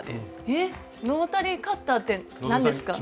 えっロータリーカッターって何ですか？